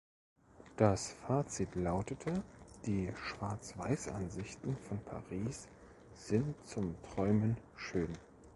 Das Fazit lautete: „Die Schwarz-Weiß-Ansichten von Paris sind zum Träumen schön.